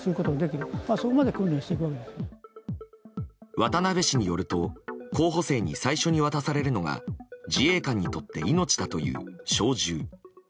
渡部氏によると候補生に最初に渡されるのが自衛官にとって命だという小銃。